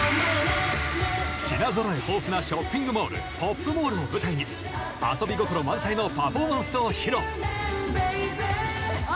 品ぞろえ豊富なショッピングモールＰＯＰＭＡＬＬを舞台に遊び心満載のパフォーマンスを披露あ